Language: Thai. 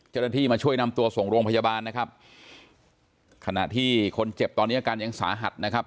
เจ้าหน้าที่มาช่วยนำตัวส่งโรงพยาบาลนะครับขณะที่คนเจ็บตอนนี้อาการยังสาหัสนะครับ